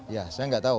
ya saya nggak tahu